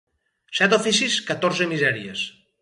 Set oficis, catorze misèries.